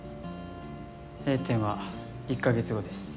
閉店は１か月後です。